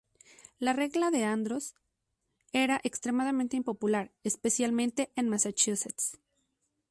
La regla de Andros era extremadamente impopular, especialmente en Massachusetts.